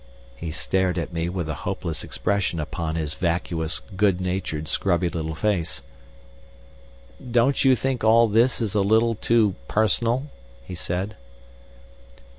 He stared at me with a hopeless expression upon his vacuous, good natured, scrubby little face. "Don't you think all this is a little too personal?" he said.